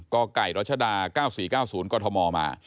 กไก่รชด๙๔๙๐กธมมา